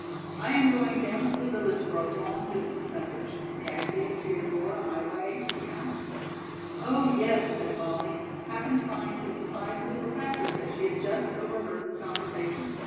"I am going down to the village for a long distance message. May I see you to your door on my way?" he asked. "Oh, yes," said Molly, half inclined to confide to the Professor that she had just overheard his conversation.